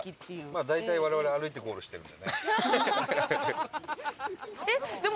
まあ大体我々歩いてゴールしてるんだよね。